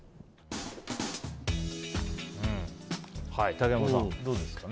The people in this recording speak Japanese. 竹山さん、どうですかね。